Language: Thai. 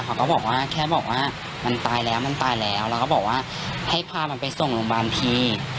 เขาก็บอกว่าแค่บอกว่ามันตายแล้วมันตายแล้วแล้วก็บอกว่าให้พามันไปส่งโรงพยาบาลพี่